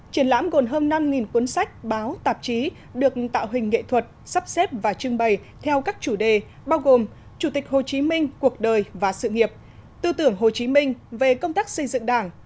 triển lãm gồm hơn năm cuốn sách báo tạp chí được tạo hình nghệ thuật sắp xếp và trưng bày theo các chủ đề bao gồm chủ tịch hồ chí minh cuộc đời và sự nghiệp tư tưởng hồ chí minh về công tác xây dựng đảng